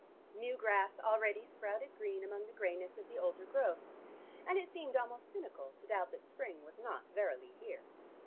New grass already sprouted green among the grayness of the older growths, and it seemed almost cynical to doubt that spring was not verily here.